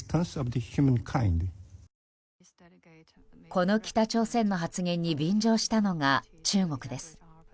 この北朝鮮の発言に便乗したのが中国です。